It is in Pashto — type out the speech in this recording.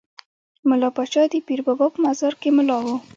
ملا پاچا د پیر بابا په مزار کې ملا وو.